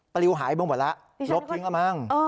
ปลิวหายไปหมดแล้วลบทิ้งแล้วมั้ง